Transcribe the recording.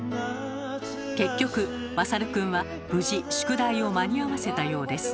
結局大くんは無事宿題を間に合わせたようです。